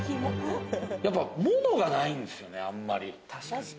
やっぱ、物がないんですよね、あんまり。